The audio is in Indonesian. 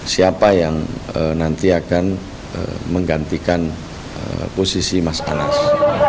siapa yang nanti akan menggantikan posisi mas anas